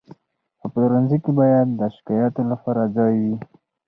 په پلورنځي کې باید د شکایاتو لپاره ځای وي.